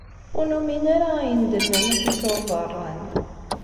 Ur numin ara ayen i d-tenna Nafisa n Ubeṛṛan.